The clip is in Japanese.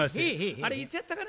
あれいつやったかな？